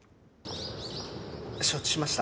承知しました。